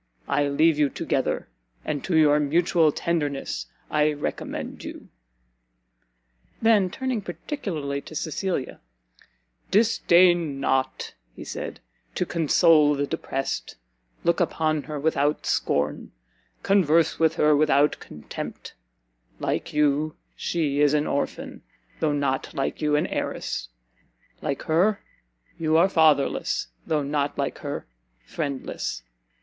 I leave you together, and to your mutual tenderness I recommend you!" Then, turning particularly to Cecilia, "Disdain not," he said, "to console the depressed; look upon her without scorn, converse with her without contempt: like you, she is an orphan, though not like you, an heiress; like her, you are fatherless, though not like her friendless!